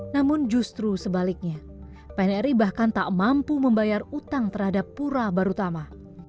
namun justru sebaliknya pnri bahkan tak mampu membayar utang terhadap pura barutama